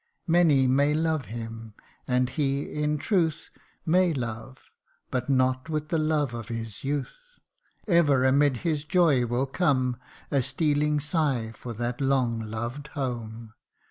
Many may love him, and he in truth May love ; but not with the love of his youth : Ever amid his joy will come A stealing sigh for that long loved home, CANTO III.